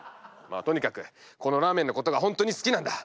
まあとにかくこのラーメンのことが本当に好きなんだ。